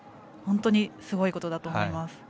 本当にすごいことだと思います。